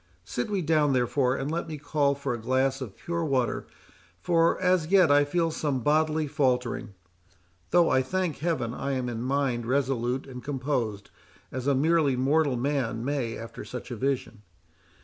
Sit we down, therefore, and let me call for a glass of pure water, for as yet I feel some bodily faltering; though, I thank Heaven, I am in mind resolute and composed as a merely mortal man may after such a vision.